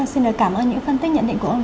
xin lời cảm ơn những phân tích nhận định của ông